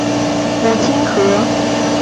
隘寮溪被称为排湾文明的母亲河。